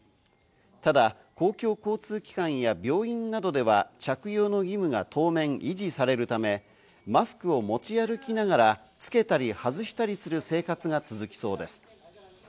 ただ公共交通機関や病院などでは着用の義務が当面維持されるため、マスクを持ち歩きながら、つけたり外したりする生活が続きそうです。